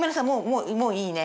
もうもういいね。